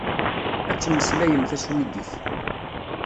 Ad temmeslayem taswidit.